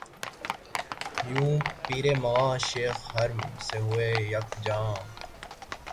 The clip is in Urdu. یوں پیر مغاں شیخ حرم سے ہوئے یک جاں